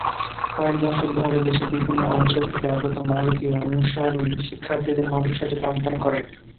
কয়েক দশক ধরে দেশের বিভিন্ন অঞ্চল থেকে আগত মালিকি অনুসারী শিক্ষার্থীদের মাদ্রাসাটি পাঠদান করে।